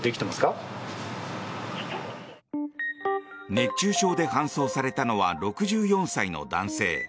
熱中症で搬送されたのは６４歳の男性。